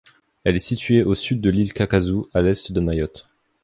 Elle est située au Sud de l'île Kakazou, à l'Est de Mayotte.